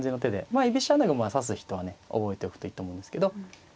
まあ居飛車穴熊指す人はね覚えておくといいと思うんですけど。